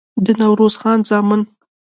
د نوروز خان زامن